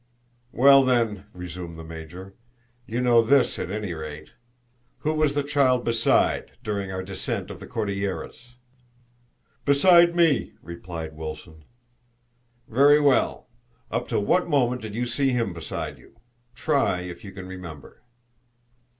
"Well, then," resumed the Major, "you know this at any rate. Who was the child beside during our descent of the Cordilleras?" "Beside me," replied Wilson. "Very well. Up to what moment did you see him beside you? Try if you can remember."